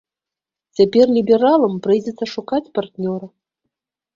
Цяпер лібералам прыйдзецца шукаць партнёра.